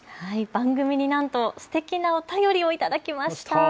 番組になんとすてきなお便りを頂きました。